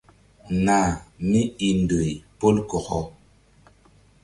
Nah míi ndoy pol kɔkɔ.